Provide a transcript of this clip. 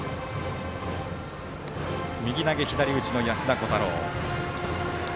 右投げ左打ちの安田虎汰郎。